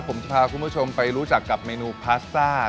ผมจะพาคุณผู้ชมไปรู้จักกับเมนูพาสต้า